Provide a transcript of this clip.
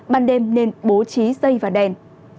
ban đêm nên bố trí dây và đèn